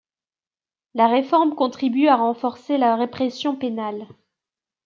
La Réforme contribue à renforcer la répression pénale.